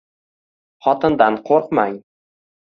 Xotindan qo‘rqmang